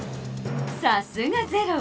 さすがゼロ！